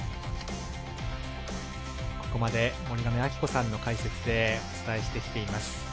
ここまで森上亜希子さんの解説でお伝えしてきています。